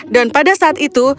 dan pada saat itu